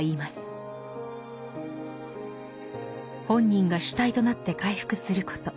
本人が主体となって回復すること。